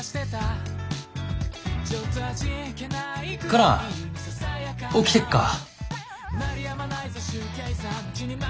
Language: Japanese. カナ起きてっか？